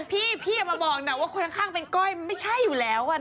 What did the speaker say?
พี่อย่ามาบอกนะว่าคนข้างเป็นก้อยไม่ใช่อยู่แล้ว